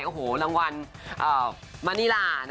โอ้โหรางวัลมานิลา